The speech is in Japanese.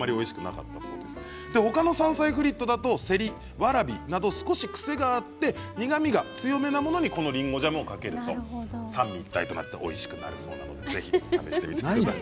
ほかの山菜フリットだとせりわらびなど少し癖があって苦みが強めなものにこのりんごジャムをかけると三位一体となっておいしくなるそうなので是非試してみてください。